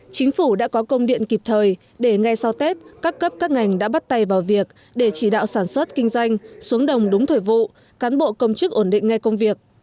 chính phủ đã có công điện kịp thời để ngay sau tết các cấp các ngành đã bắt tay vào việc để chỉ đạo sản xuất kinh doanh xuống đồng đúng thời vụ cán bộ công chức ổn định ngay công việc